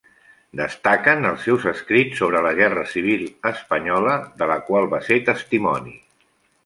Destaquen els seus escrits sobre la Guerra Civil espanyola, de la qual va ser testimoni.